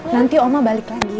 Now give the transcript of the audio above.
nanti oma balik lagi